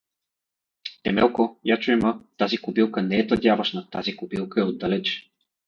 Темелко, я чуй ма, тази кобилка не е тъдявашна, тази кобилка е отдалеч.